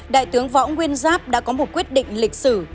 đại tướng võ nguyên giáp đã có một quyết định lịch sử